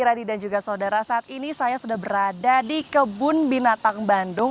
radi dan juga saudara saat ini saya sudah berada di kebun binatang bandung